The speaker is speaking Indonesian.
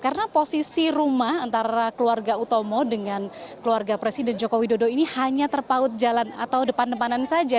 karena posisi rumah antara keluarga utomo dengan keluarga presiden joko widodo ini hanya terpaut jalan atau depan depanan saja